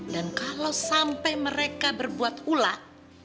dan kalau sampai mereka berbuat ulat